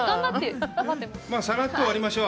さらっと終わりましょう。